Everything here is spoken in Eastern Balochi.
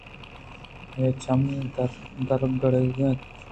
آئی ءِ چم درگڑاِت اَنت